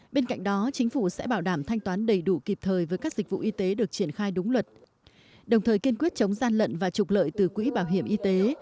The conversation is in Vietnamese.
bên cạnh đó chính phủ sẽ bảo đảm thanh toán đầy đủ kịp thời với các dịch vụ y tế được triển khai đúng luật đồng thời kiên quyết chống gian lận và trục lợi từ quỹ bảo hiểm y tế